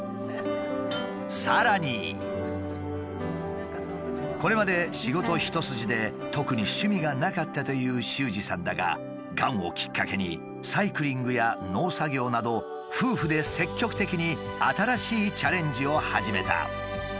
さらにこれまで仕事一筋で特に趣味がなかったという秀司さんだががんをきっかけにサイクリングや農作業など夫婦で積極的に新しいチャレンジを始めた。